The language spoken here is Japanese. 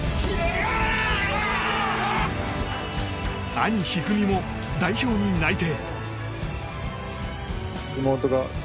兄・一二三も代表に内定。